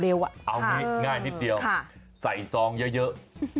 เอางี้ง่ายนิดเดียวใส่ซองเยอะ